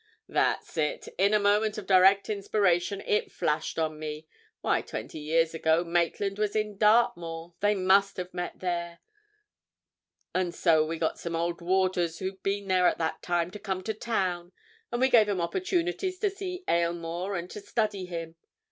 "That's it. In a moment of direct inspiration, it flashed on me—why, twenty years ago, Maitland was in Dartmoor—they must have met there! And so, we got some old warders who'd been there at that time to come to town, and we gave 'em opportunities to see Aylmore and to study him.